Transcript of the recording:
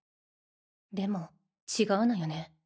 でも違うのよね。